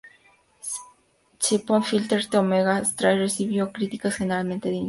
Syphon Filter: The Omega Strain recibió críticas generalmente mixtas.